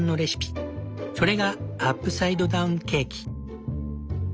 それがアップサイドダウンケーキ。